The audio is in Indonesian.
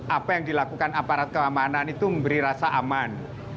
apa yang dilakukan aparat keamanan itu memberi rasa aman